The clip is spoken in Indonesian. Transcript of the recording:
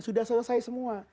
sudah selesai semua